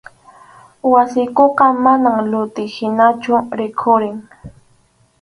Wasiykuqa manam luti hinachu rikhurin.